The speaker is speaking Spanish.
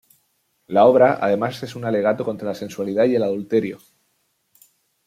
La obra además es un alegato contra la sensualidad y el adulterio.